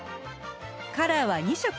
カラーは２色